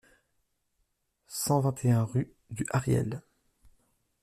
cent vingt et un rue du Hariel